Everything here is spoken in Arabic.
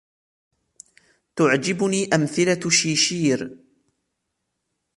تعجبني أمثلة شيشير.